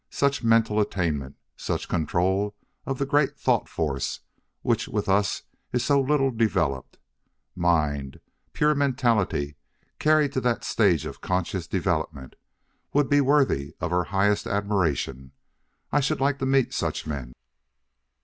Such mental attainment! Such control of the great thought force which with us is so little developed! Mind pure mentality carried to that stage of conscious development, would be worthy of our highest admiration. I should like to meet such men."